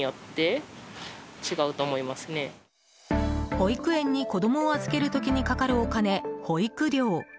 保育園に子供を預ける時にかかるお金、保育料。